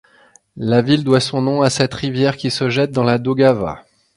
La ville doit son nom à cette rivière qui se jette dans la Daugava.